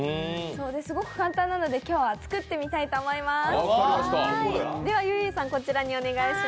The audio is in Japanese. すごく簡単なので今日は作ってみたいと思います。